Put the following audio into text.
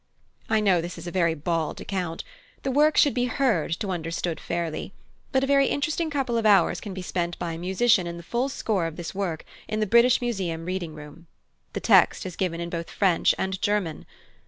I know this is a very bald account. The work should be heard to be understood fairly; but a very interesting couple of hours can be spent by a musician on the full score of this work in the British Museum reading room. The text is given in both French and German.